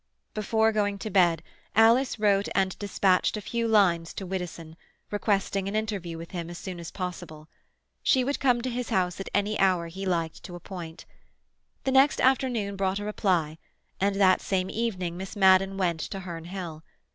Before going to bed Alice wrote and dispatched a few lines to Widdowson, requesting an interview with him as soon as possible. She would come to his house at any hour he liked to appoint. The next afternoon brought a reply, and that same evening Miss Madden went to Herne Hill.